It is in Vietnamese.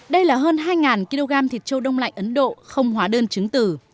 đây là hơn hai kg thịt châu đông lạnh ấn độ không hóa đơn chứng tử